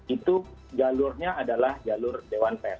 itu jalurnya adalah jalur dewan pers